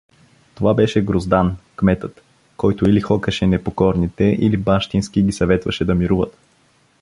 Това беше Гроздан кметът, който или хокаше непокорните, или бащински ги съветваше да мируват.